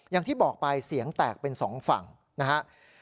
อย่างที่บอกไปเสียงแตกเป็น๒ฝั่งนะฮะ